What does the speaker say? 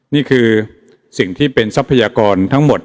นี่คือสิ่งที่เป็นทรัพยากรทั้งหมด